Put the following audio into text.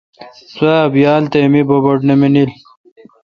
سو یال تھ می بڑ بڑ نہ مانیل۔